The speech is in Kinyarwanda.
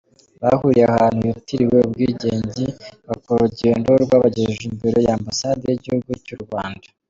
Bahuriye ahantu hitiriwe ubwigenge bakora urugendo rwabagejeje imbere ya ambasade y'igihugu cy'Urwanda.